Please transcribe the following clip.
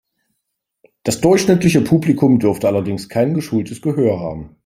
Das durchschnittliche Publikum dürfte allerdings kein geschultes Gehör haben.